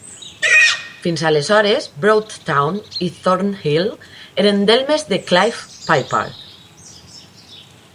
Fins aleshores, Broad Town i Thornhill eren delmes de Clyffe Pypard.